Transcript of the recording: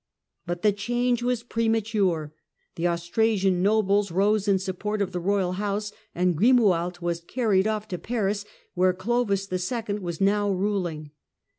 But the change was premature. The Austrasian nobles rose in support of the royal house, and Grimoald was carried off to Paris, where Clovis II. was now ruling.